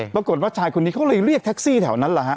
ปรากฏว่าชายคนนี้เขาเลยเรียกแท็กซี่แถวนั้นแหละฮะ